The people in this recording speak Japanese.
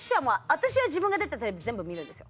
私は自分が出てるテレビ全部見るんですよ